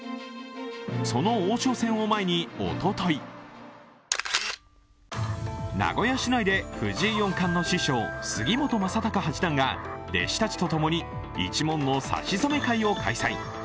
その王将戦を前におととい、名古屋市内で藤井四冠の師匠、杉本昌隆八段が弟子たちとともに一門の指し初め会を開催。